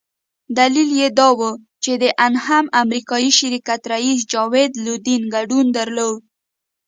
دلیل یې دا وو چې د انهم امریکایي شرکت رییس جاوید لودین ګډون درلود.